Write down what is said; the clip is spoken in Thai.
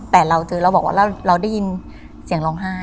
แต่เราบอกว่าเราได้ยินเสียงร้องไห้